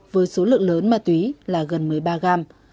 với số lượng lớn ma túy là gần một mươi ba gram